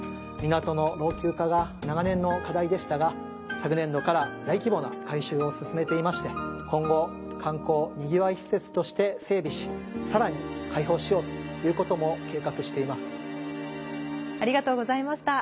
港の老朽化が長年の課題でしたが昨年度から大規模な改修を進めていまして今後観光賑わい施設として整備しさらに開放しようという事も計画しています。